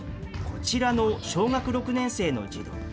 こちらの小学６年生の児童。